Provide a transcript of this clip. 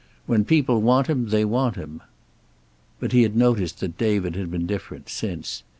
When people want him they want him." But he had noticed that David had been different, since.